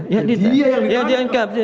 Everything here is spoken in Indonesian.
ya dia yang ditangkap